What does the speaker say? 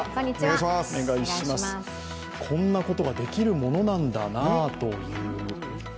こんなことができるものなんだなという。